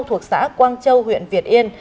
thuộc xã quang châu huyện việt yên